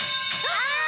あ！